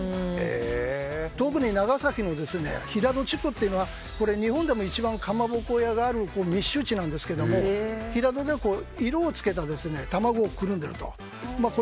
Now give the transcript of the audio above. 特に長崎の平戸地区というのは日本でも一番かまぼこ屋がある密集地なんですけど、平戸で色を付けた卵をつつんでいると。